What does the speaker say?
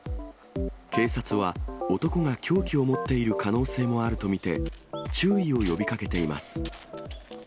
警察は、男が凶器を持っている可能性もあると見て、注意を呼びかけています。